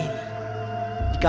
tepat bulan purnamai